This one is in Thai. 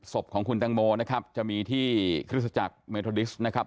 ศพของคุณตังโมนะครับจะมีที่คริสตจักรเมโทดิสนะครับ